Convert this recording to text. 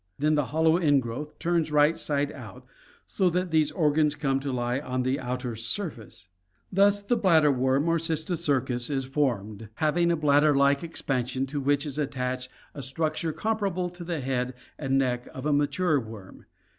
Then the hollow ingrowth turns right side out, so that these organs come to lie on the outer surface. Thus the bladder worm or cysticercus is formed, having a bladder like expansion to which is attached a structure comparable to the head and neck of a mature worm.